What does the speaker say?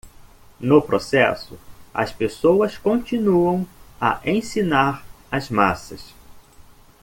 No processo, as pessoas continuam a ensinar as massas